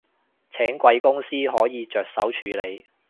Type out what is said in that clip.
請貴公司可以着手處理